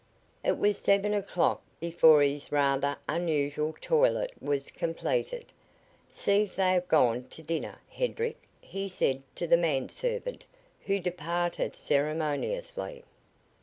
It was seven o'clock before his rather unusual toilet was completed. "See if they have gone to the diner, Hedrick," he said to the man servant, who departed ceremoniously.